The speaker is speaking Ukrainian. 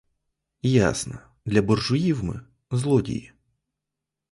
Ясно, для буржуїв ми — злодії!